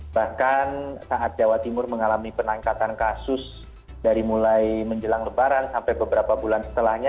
bahkan saat jawa timur mengalami peningkatan kasus dari mulai menjelang lebaran sampai beberapa bulan setelahnya